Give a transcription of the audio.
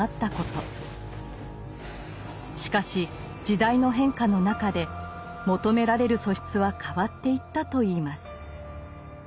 しかし時代の変化の中で求められる素質は変わっていったといいます。